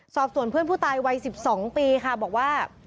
สอบส่วนเพื่อนผู้ตายวัย๑๒ปีค่ะบอกว่า